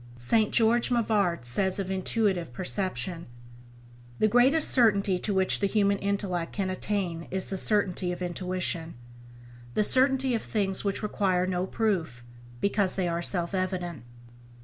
St. George Mivart says of intuitive perception: "The greatest certainty to which the human intellect can attain is the certainty of intuition — the certainty of things which require no proof, because they are self evident.